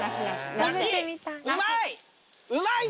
うまい！